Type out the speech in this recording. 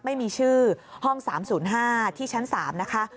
ไม่มีชื่อห้อง๓๐๕ที่ชั้น๓นะคะ